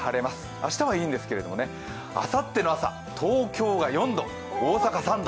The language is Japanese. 明日はいいんですけれども、あさっての朝、東京が４度、大阪３度。